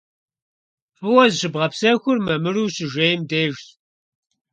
ФӀыуэ зыщыбгъэпсэхур мамыру ущыжейм дежщ.